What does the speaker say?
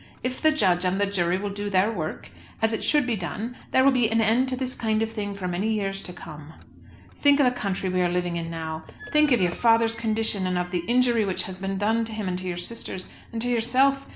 If the judge and the jury will do their work as it should be done there will be an end to this kind of thing for many years to come. Think of the country we are living in now! Think of your father's condition, and of the injury which has been done to him and to your sisters, and to yourself.